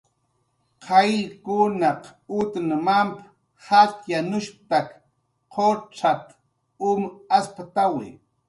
"Qayllkunaq utn mamp"" jatxyanushp""tak qucxat"" um asptawi"